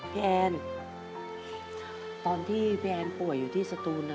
แอนตอนที่พี่แอนป่วยอยู่ที่สตูน